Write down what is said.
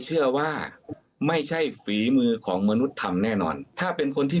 เชื่อว่าไม่ใช่ฝีมือของมนุษย์ทำแน่นอนถ้าเป็นคนที่